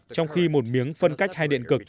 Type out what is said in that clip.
trong khi một miếng phân cách hay điện cực